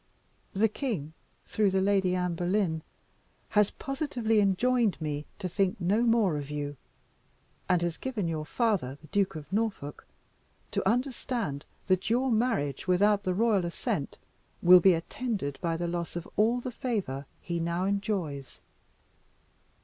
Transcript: The king, through the Lady Anne Boleyn, has positively enjoined me to think no more of you and has given your father, the Duke of Norfolk, to understand that your marriage without the royal assent will be attended by the loss of all the favour he now enjoys."